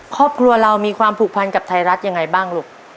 ครอบครัวเรามีความผูกพันกับไทยรัฐยังไงบ้างลูก